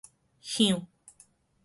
響